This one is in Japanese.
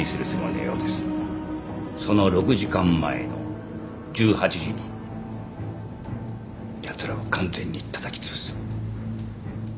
その６時間前の１８時にやつらを完全にたたきつぶす。